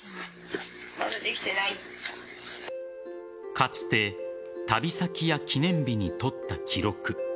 かつて旅先や記念日にとった記録。